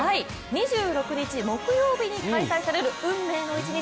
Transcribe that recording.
２６日、木曜日に開催される運命の一日。